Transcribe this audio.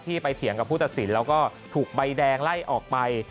ไปเถียงกับผู้ตัดสินแล้วก็ถูกใบแดงไล่ออกไป